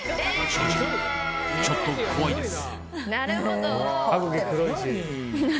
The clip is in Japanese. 正直、ちょっと怖いです。